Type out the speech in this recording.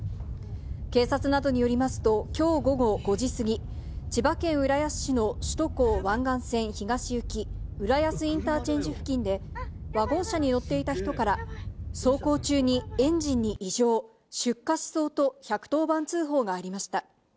警察などによりますと、きょう午後５時過ぎ、千葉県浦安市の首都高湾岸線東行き浦安インターチェンジ付近で、ワゴン車に乗っていた人から、走行中にエンジンに異常、出火しそうと、１１０番通報がありました。